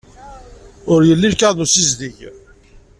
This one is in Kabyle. Ur yelli lkaɣeḍ n ussizdeg.